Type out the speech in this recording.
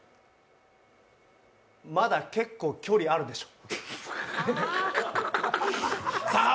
まだ結構距離あるでしょ。